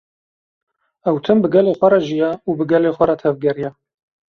Ew tim bi gelê xwe re jiya û bi gelê xwe re tevgeriya